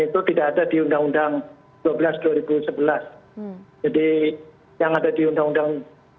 jadi tidak ada dialog tidak ada diskusi tidak ada sounding